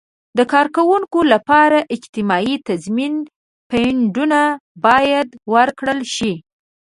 د کارکوونکو لپاره د اجتماعي تضمین فنډونه باید ورکړل شي.